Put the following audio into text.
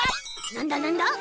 なんだなんだ？